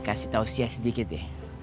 kasih tau sias sedikit ya